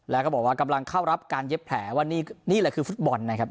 แล้วก็บอกว่ากำลังเข้ารับการเย็บแผลว่านี่แหละคือฟุตบอลนะครับ